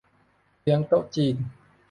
เลี้ยงโต๊ะจีน